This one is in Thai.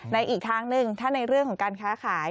อีกทางหนึ่งถ้าในเรื่องของการค้าขาย